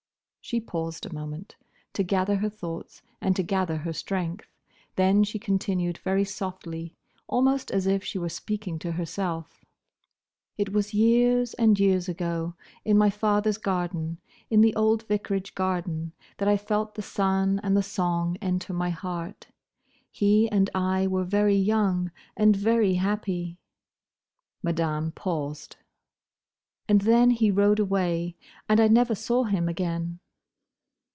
She paused a moment, to gather her thoughts and to gather strength. Then she continued very softly, almost as if she were speaking to herself, "It was years and years ago, in my father's garden—in the old vicarage garden—that I felt the sun and the song enter my heart. He and I were very young and very happy." Madame paused. "And then he rode away; and I never saw him again."